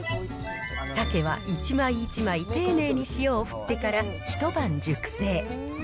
鮭は一枚一枚丁寧に塩を振ってから一晩熟成。